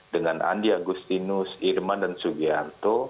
dengan andi agustinus irman dan sugianto